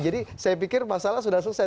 saya pikir masalah sudah selesai